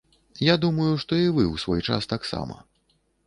Я думаю, што і вы ў свой час таксама.